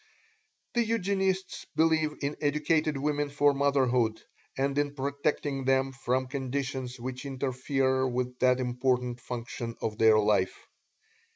The Eugenists believe in educating women for motherhood, and in protecting them from conditions which interfere with that important function of their life.